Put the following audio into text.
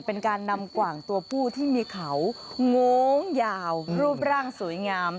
เป็นการนำกว่างตัวผู้ที่มีเขาโง้งยาวรูปร่างสวยงาม